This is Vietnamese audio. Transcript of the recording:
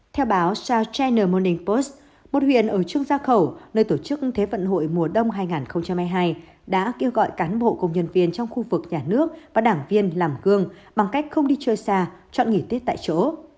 theo báo sao china molning post một huyện ở trung gia khẩu nơi tổ chức thế vận hội mùa đông hai nghìn hai mươi hai đã kêu gọi cán bộ công nhân viên trong khu vực nhà nước và đảng viên làm gương bằng cách không đi chơi xa chọn nghỉ tiết tại chỗ